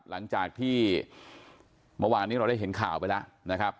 หลังจากที่เมื่อวานนี้เราได้เห็นข่าวไปแล้วนะครับ